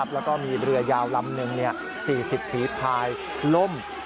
แล้วก็มีเรือยาวลำหนึ่ง๔๐ฝีพายล่ม